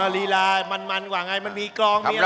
ลีลามันกว่าไงมันมีกรองมีอะไร